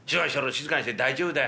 「静かにしてる大丈夫だよ。